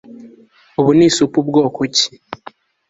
Ubu ni isupu bwoko ki